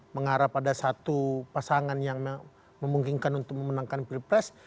mengarah pada satu pasangan yang memungkinkan untuk memenangkan pilpres